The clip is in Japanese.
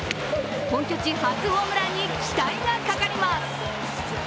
本拠地初ホームランに期待がかかります。